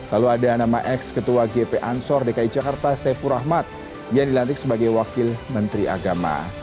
lalu ada nama ex ketua gp ansor dki jakarta saiful rahmat yang dilantik sebagai wakil menteri agama